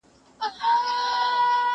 زه هره ورځ د ښوونځی لپاره امادګي نيسم،